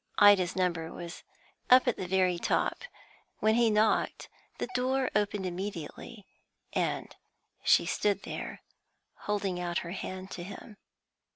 Ida's number was up at the very top. When he knocked, the door opened immediately, and she stood there, holding out her hand to him.